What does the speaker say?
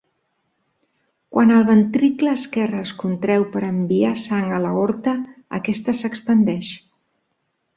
Quan el ventricle esquerre es contreu per enviar sang a l'aorta, aquesta s'expandeix.